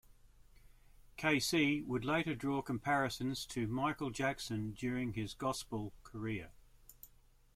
K-Ci would later draw comparisons to Michael Jackson during his gospel career.